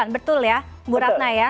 betul ya bu ratna ya